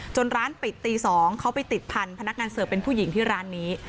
ร้านปิดตี๒เขาไปติดพันธุ์พนักงานเสิร์ฟเป็นผู้หญิงที่ร้านนี้